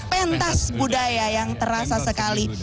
pentas budaya yang terasa sekali